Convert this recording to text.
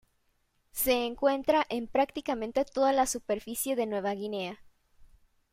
Se encuentra en prácticamente toda la superficie de Nueva Guinea.